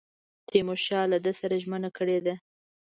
تیمورشاه له ده سره ژمنه کړې ده.